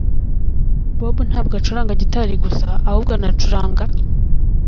bob ntabwo acuranga gitari gusa ahubwo anacuranga.